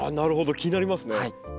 気になりますね。